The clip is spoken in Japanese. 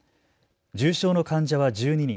重症の患者は１２人。